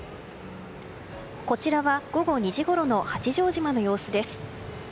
こちらは午後２時ごろの八丈島の様子です。